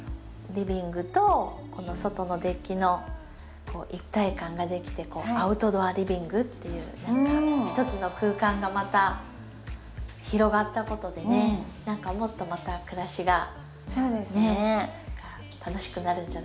リビングと外のデッキの一体感ができてアウトドアリビングっていうひとつの空間がまた広がったことでね何かもっとまた暮らしがね楽しくなるんじゃないかなって。